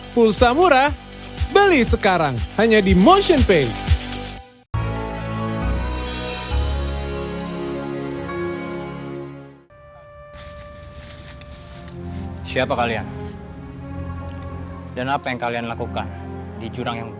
pulsa murah beli sekarang hanya di motionpay